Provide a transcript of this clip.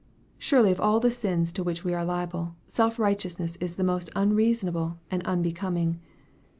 Surely of all sins to which we are liable, self righteousness is the most unreasonable and unbe coming.